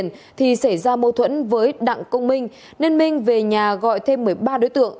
xảy ra mâu thuẫn với đặng công minh nên minh về nhà gọi thêm một mươi ba đối tượng